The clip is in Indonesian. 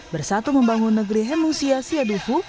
bersatu membangun negeri hemungsia siadufu